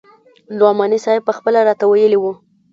نعماني صاحب پخپله راته ويلي وو.